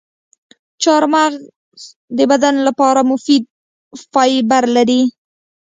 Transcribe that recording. چارمغز د بدن لپاره مفید فایبر لري.